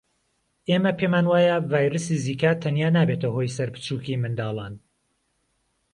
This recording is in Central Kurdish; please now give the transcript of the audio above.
ئێمە پێمانوایە ڤایرسی زیکا تەنیا نابێتە هۆی سەربچوکی منداڵان